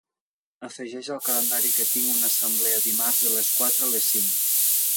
Afegeix al calendari que tinc una assemblea dimarts de les quatre a les cinc.